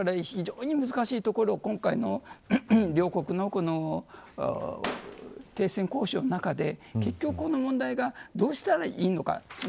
非常に難しいところで今回の両国の停戦交渉の中で結局、この問題がどうしたらいいのか。